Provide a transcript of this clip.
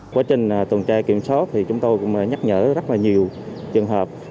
quá trình tuần tra kiểm soát thì chúng tôi cũng nhắc nhở rất là nhiều trường hợp